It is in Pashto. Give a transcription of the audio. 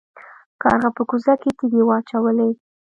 کارغه په کوزه کې تیږې واچولې.